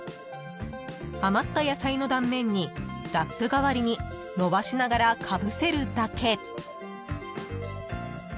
［余った野菜の断面にラップ代わりに伸ばしながらかぶせるだけ］